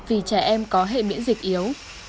vì trẻ em có hệ biễn dịch yếu